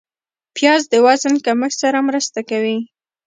پیاز د وزن کمښت سره مرسته کوي